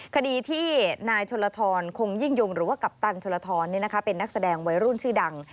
คดีที่นายชนลทรคงยิ่งยงหรือว่ากัปตันชนลทรเป็นนักแสดงวัยรุ่นชื่อดัง